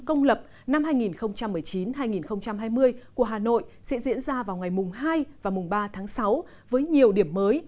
công lập năm hai nghìn một mươi chín hai nghìn hai mươi của hà nội sẽ diễn ra vào ngày mùng hai và mùng ba tháng sáu với nhiều điểm mới